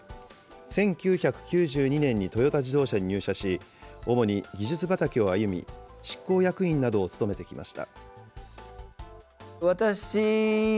１９９２年にトヨタ自動車に入社し、主に技術畑を歩み、執行役員などを務めてきました。